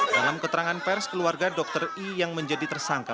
dalam keterangan pers keluarga dr i yang menjadi tersangka